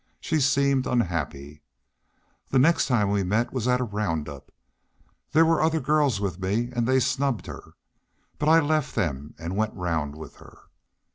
She seemed unhappy. The next time we met was at a round up. There were other girls with me and they snubbed her. But I left them and went around with her.